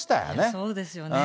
そうですよね。